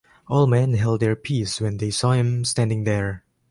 All men held their peace when they saw him standing there.